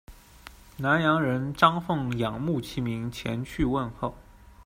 南阳人张奉仰慕其名，前去问候。